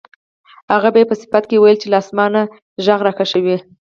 هغه به یې په صفت کې ویل چې له اسمانه غږ راکشوي.